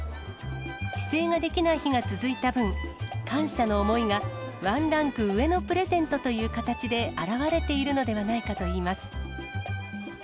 帰省ができない日が続いた分、感謝の思いが、ワンランク上のプレゼントという形で表れているのではないかといいます。